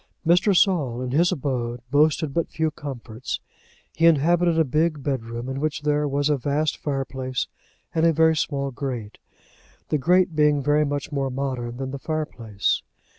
Mr. Saul in his abode boasted but few comforts. He inhabited a big bed room, in which there was a vast fireplace and a very small grate, the grate being very much more modern than the fireplace.